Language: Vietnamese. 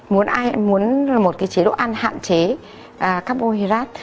muốn một cái chế độ ăn hạn chế carbohydrates